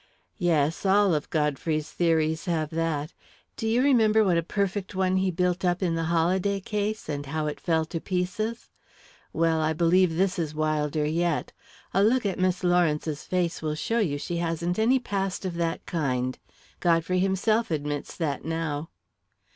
"Yes all of Godfrey's theories have that. Do you remember what a perfect one he built up in the Holladay case, and how it fell to pieces? Well, I believe this is wilder yet. A look at Miss Lawrence's face will show you she hasn't any past of that kind. Godfrey himself admits that now."